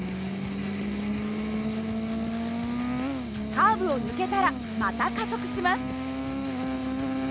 カーブを抜けたらまた加速します。